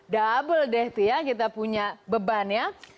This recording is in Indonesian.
double deh itu ya kita punya beban ya